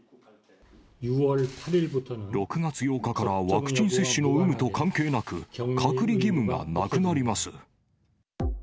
６月８日からワクチン接種の有無と関係なく、隔離義務がなくなります。